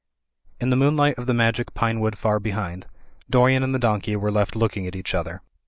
In the moonlight of the magic pine wood far behind, Dorian and the donkey were left looking at each other.